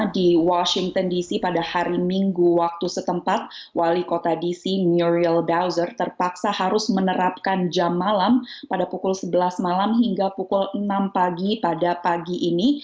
di washington dc pada hari minggu waktu setempat wali kota dc miriel dozer terpaksa harus menerapkan jam malam pada pukul sebelas malam hingga pukul enam pagi pada pagi ini